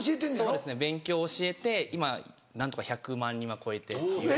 そうですね勉強を教えて今何とか１００万人は超えて。